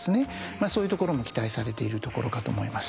そういうところも期待されているところかと思います。